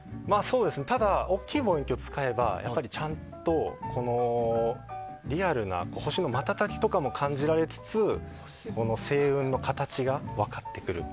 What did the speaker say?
ただ、大きい望遠鏡を使えばちゃんとリアルな星の瞬きとかも感じられつつ、星雲の形が分かってくる。